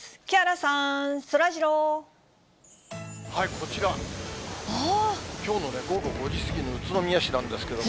こちら、きょうの午後５時過ぎの宇都宮市なんですけれども。